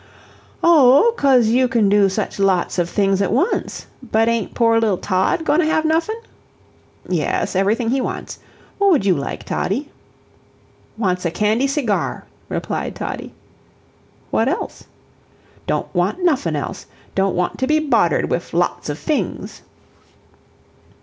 "Oh, 'cause you can do such lots of things at once. But ain't poor little Tod goin' to have noffin'?" "Yes, everything he wants. What would you like, Toddie?" "Wants a candy cigar," replied Toddie. "What else?" "Don't want NUFFIN' else don't want to be boddered wif LOTS of fings."